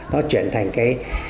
nó chuyển thành cái